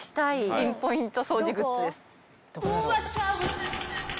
ピンポイント掃除グッズです。